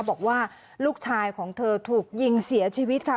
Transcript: บอกว่าลูกชายของเธอถูกยิงเสียชีวิตค่ะ